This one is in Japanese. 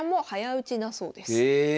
へえ。